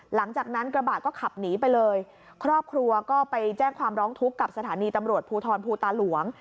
รถกระบะก็ขับหนีไปเลยครอบครัวก็ไปแจ้งความร้องทุกข์กับสถานีตำรวจภูทรภูตาหลวง